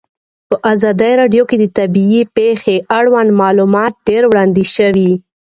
په ازادي راډیو کې د طبیعي پېښې اړوند معلومات ډېر وړاندې شوي.